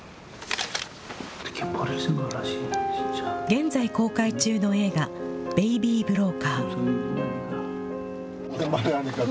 現在公開中の映画、ベイビー・ブローカー。